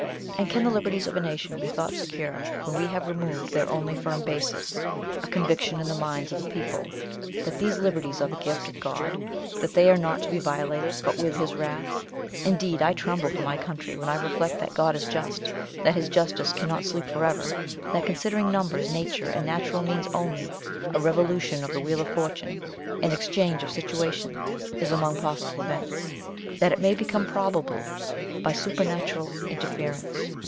And can the liberties of a nation be thought secure when we have removed their only firm basis, a conviction in the minds of the people that these liberties are the gift of God? that they are not to be violated but with his wrath? Indeed, I tremble for my country when I reflect that God is just; that his justice cannot sleep for ever; that, considering numbers, nature, and natural means only, a revolution of the wheel of fortune, an exchange of situation, is among possible events; that it may become probable by supernatural interference!